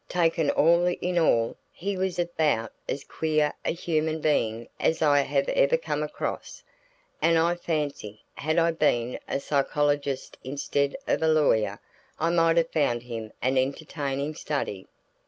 Taken all in all he was about as queer a human being as I have ever come across, and I fancy, had I been a psychologist instead of a lawyer, I might have found him an entertaining study.